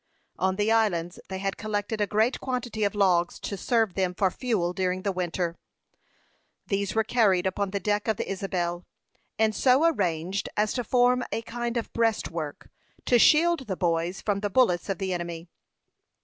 On the islands they had collected a great quantity of logs, to serve them for fuel during the winter. These were carried upon the deck of the Isabel, and so arranged as to form a kind of breastwork, to shield the boys from the bullets of the enemy.